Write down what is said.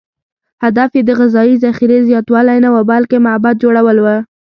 هدف یې د غذایي ذخیرې زیاتوالی نه و، بلکې معبد جوړول و.